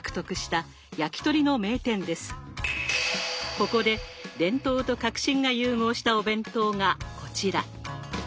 ここで伝統と革新が融合したお弁当がこちら。